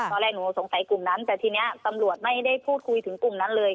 ตอนแรกหนูสงสัยกลุ่มนั้นแต่ทีนี้ตำรวจไม่ได้พูดคุยถึงกลุ่มนั้นเลย